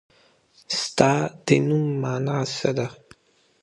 ستا د نوم مانا څه ده ؟